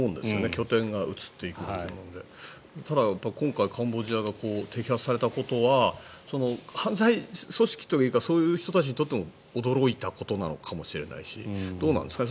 拠点が移っていくものでただ、今回、カンボジアで摘発されたことは犯罪組織というかそういう人たちにとっても驚いたことかもしれないしどうなんですかね